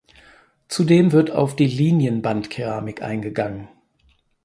Zudem wird auf die Linienbandkeramik eingegangen.